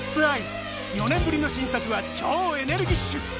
４年ぶりの新作は超エネルギッシュ！